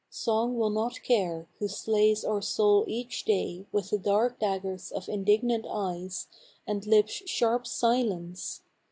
Song will not care, who slays our souls each day With the dark daggers of indignant eyes, And lips' sharp silence!...